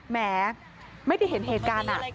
แหมไม่ได้เห็นเหตุการณ์